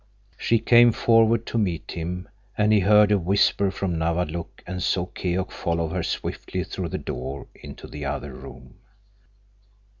She came forward to meet him, and he heard a whisper from Nawadlook, and saw Keok follow her swiftly through the door into the other room.